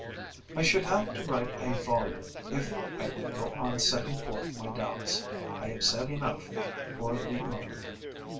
I should have to write a volume if I would go on setting forth my doubts. I have said enough for the moment.